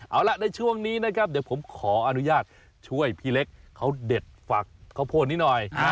เอาล่ะในช่วงนี้นะครับเดี๋ยวผมขออนุญาตช่วยพี่เล็กเขาเด็ดฝากข้าวโพดนี้หน่อย